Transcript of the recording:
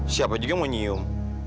siapa juga mau nyium